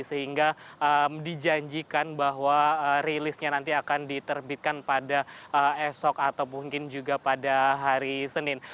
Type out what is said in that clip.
sehingga dijanjikan bahwa rilisnya nanti akan diterbitkan pada esok atau mungkin juga pada hari senin